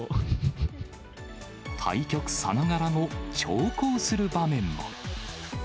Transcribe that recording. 対局さながらの、長考する場面も。